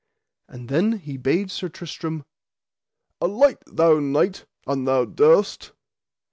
And then he bade Sir Tristram: Alight, thou knight, an thou durst.